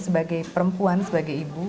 sebagai perempuan sebagai ibu